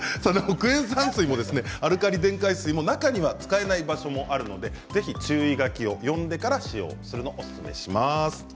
クエン酸水もアルカリ電解水も中には使えない場所もあるのでぜひ注意書きを読んでから使用することをおすすめします。